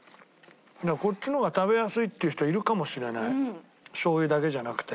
こっちの方が食べやすいっていう人いるかもしれないしょう油だけじゃなくて。